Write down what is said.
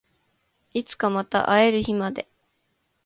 いつかまた会える日まで